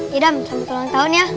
ya adam selamat ulang tahun ya